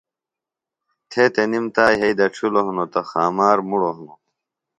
تھےۡ تنِم تا یھئیۡ دڇھِلوۡ ہِنوۡ تہ خامار مُڑوۡ ہِنوۡ